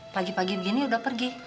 pagi pagi begini udah pergi